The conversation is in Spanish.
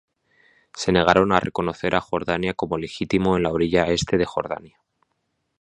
Se negaron a reconocer a Jordania como legítimo en la orilla este de Jordania.